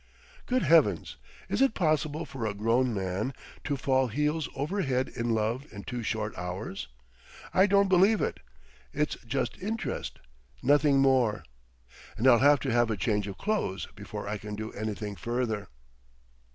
Good Heavens! is it possible for a grown man to fall heels over head in love in two short hours? I don't believe it. It's just interest nothing more.... And I'll have to have a change of clothes before I can do anything further."